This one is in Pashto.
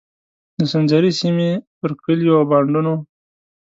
د سنځري سیمې پر کلیو او بانډونو.